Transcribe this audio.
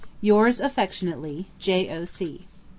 Yours affectionately, J.O.C.